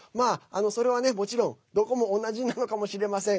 それはね、もちろんどこも同じなのかもしれません。